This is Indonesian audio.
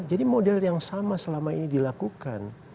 model yang sama selama ini dilakukan